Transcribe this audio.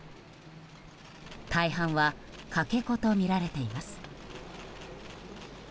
大半はかけ子とみられています。